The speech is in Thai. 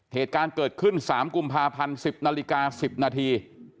เหตุการณ์เกิดขึ้น๓กุมภาพันธ์๑๐นาฬิกา๑๐นาที